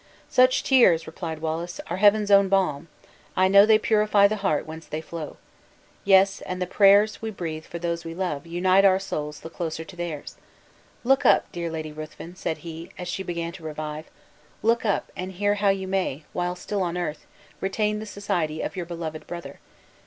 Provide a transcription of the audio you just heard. "Such tears," replied Wallace, "are Heaven's own balm; I know they purify the heart whence they flow. Yes; and the prayers we breathe for those we love, unite our souls the closer to theirs. Look up, dear Lady Ruthven," said he, as she began to revive, "look up and hear how you may, while still on earth, retain the society of your beloved brother!